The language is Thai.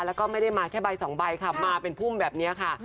แล้วก็ไม่ได้มาแค่ใบสองใบค่ะมาเป็นพุ่มแบบนี้ค่ะ